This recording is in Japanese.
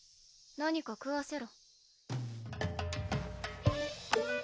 何か食わせろ。